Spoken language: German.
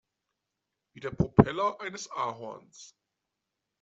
Wie der Propeller eines Ahorns.